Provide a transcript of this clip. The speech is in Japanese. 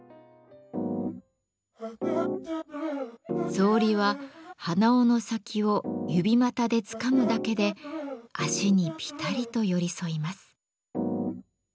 草履は鼻緒の先を指股でつかむだけで足にぴたりと寄り添います。